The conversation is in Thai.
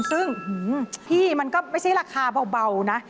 ซึ่งพี่มันก็ไม่ใช่ราคาเบานะ